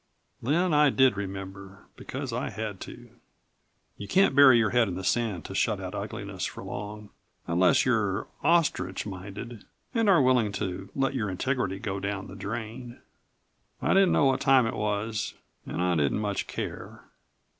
Then I did remember, because I had to. You can't bury your head in the sand to shut out ugliness for long, unless you're ostrich minded and are willing to let your integrity go down the drain. I didn't know what time it was and I didn't much care.